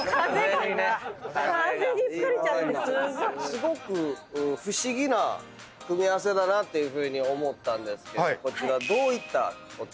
すごく不思議な組み合わせだなというふうに思ったんですけどこちら。